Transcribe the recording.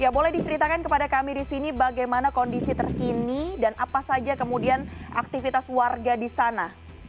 boleh diceritakan kepada kami di sini bagaimana kondisi terkini dan apa saja kemudian aktivitas warga di sana